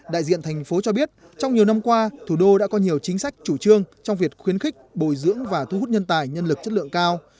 đại diện thành phố cho biết trong nhiều năm qua thủ đô đã có nhiều chính sách chủ trương trong việc khuyến khích bồi dưỡng và thu hút nhân tài nhân lực chất lượng cao